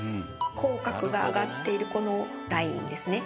口角が上がっているこのラインですね。